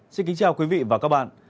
xin kính chào quý vị và các bạn